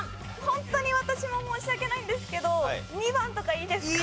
ホントに私も申し訳ないんですけど２番とかいいですか？